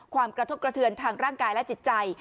กระทบกระเทือนทางร่างกายและจิตใจ